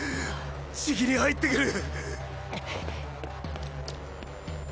じきに入ってくる。